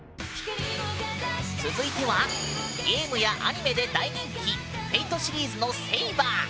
続いてはゲームやアニメで大人気「Ｆａｔｅ」シリーズのセイバー！